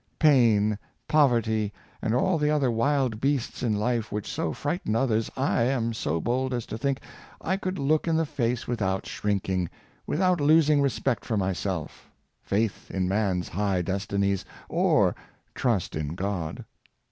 Pain, poverty, and all the other wild beasts in life which so frighten others, I am so bold as to think I could look in the face without shrinking, without losing respect for myself, faith in man^s high destinies, or trust in God.